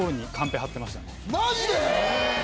マジで⁉え！